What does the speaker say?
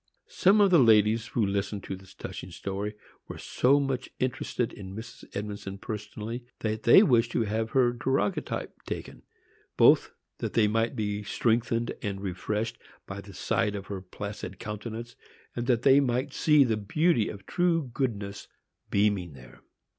Some of the ladies who listened to this touching story were so much interested in Mrs. Edmondson personally, they wished to have her daguerreotype taken; both that they might be strengthened and refreshed by the sight of her placid countenance, and that they might see the beauty of true goodness beaming there.